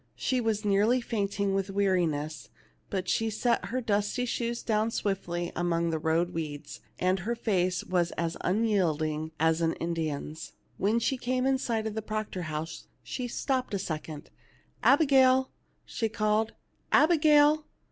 She w r as nearly fainting 245 THE LITTLE MAID AT THE DOOR with weariness, but she set her dusty shoes down swiftly among the road weeds, and her face was as unyielding as an Indian's. When she came in sight of the Proctor house she stopped a second. " Abigail \" she called " Abigail